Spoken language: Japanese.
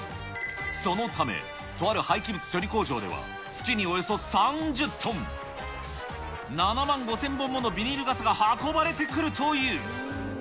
そのため、とある廃棄物処理工場では、月におよそ３０トン、７万５０００本ものビニール傘が運ばれてくるという。